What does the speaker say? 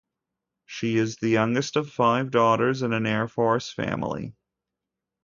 She is the youngest of five daughters in an Air Force family.